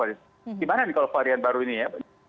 gimana nih kalau varian baru ini ya